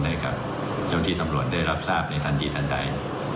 ให้กับเจ้าที่ตำรวจได้รับทราบในทันทีทันใด